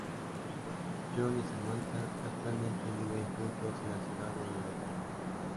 John y Samantha actualmente viven juntos en la ciudad de Nueva York.